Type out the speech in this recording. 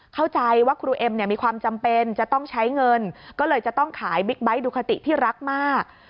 เข้าใจว่าครูเอ็มเนี่ยมีความจำเป็นจะต้องใช้เงินก็เลยจะต้องขายบิ๊กไบท์ดูคาติที่รักมาก